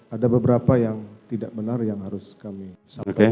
ada beberapa yang tidak benar yang harus kami sampaikan